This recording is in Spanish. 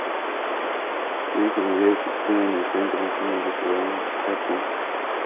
Estudia ingeniería y arquitectura en la Universidad Internacional de Sudán en Jartum.